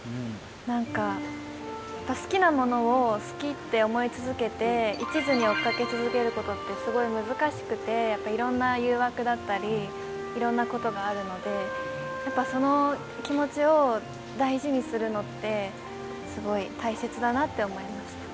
何か好きなものを好きって思い続けて一途に追っかけ続けることってすごい難しくてやっぱりいろんな誘惑だったりいろんなことがあるのでやっぱその気持ちを大事にするのってすごい大切だなって思いました。